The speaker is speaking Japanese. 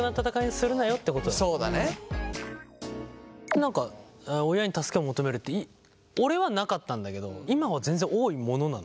何か親に助けを求めるって俺はなかったんだけど今は全然多いものなの？